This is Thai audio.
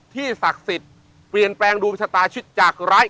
ศักดิ์สิทธิ์เปลี่ยนแปลงดวงชะตาชิดจากร้าย